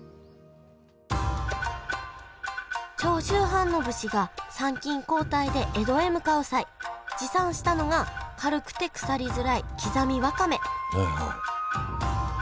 長州藩の武士が参勤交代で江戸へ向かう際持参したのが軽くて腐りづらい刻みわかめそれは？